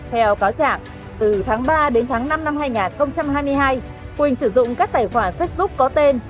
theo cáo trạng từ tháng ba đến tháng năm năm hai nghìn hai mươi hai quỳnh sử dụng các tài khoản facebook có tên